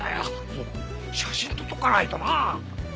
そうだ写真撮っとかないとなあ。